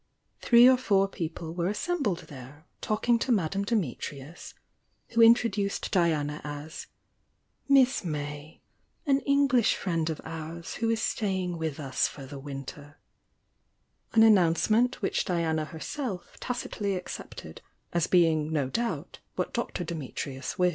Three or four people were assembled there, talking to Madame Dimitrius, who introduced Diana as "Miss May, an English friend of ours who is staying with us for the winter" — an announcement which Diana herself tacitly ac cepted as being no doubt what Dr. Dimitrius wished.